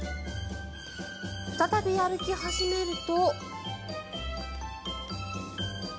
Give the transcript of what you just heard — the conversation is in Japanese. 再び歩き始めると。